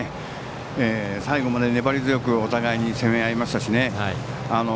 最後まで粘り強くお互いに攻め合いましたしね。